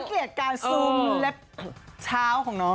มีคริสเกตการซูมเล็บเท้าของน้อง